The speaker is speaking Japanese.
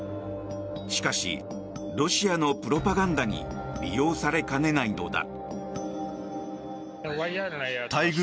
しかし、ロシアのプロパガンダに利用されかねないのだ。